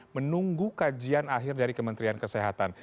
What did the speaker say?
menunggu kajian akhir dari kementerian kesehatan